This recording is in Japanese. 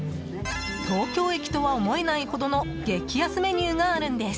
東京駅とは思えないほどの激安メニューがあるんです。